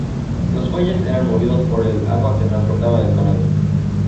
Los fuelles eran movidos por el agua que transportaba el canal.